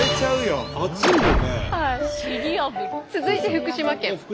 続いて福島県。